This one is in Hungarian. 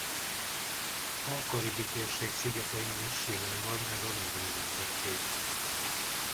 A Karib-térség szigetein is jelen van ez a növénynemzetség.